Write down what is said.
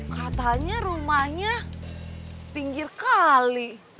katanya rumahnya pinggir kali